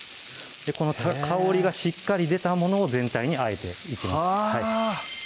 香りがしっかり出たものを全体にあえていきます